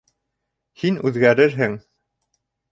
Һин үҙгәрерһең...